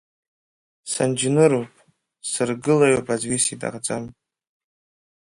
Сынџьныруп, сыргылаҩуп аӡәгьы сиҭахӡам.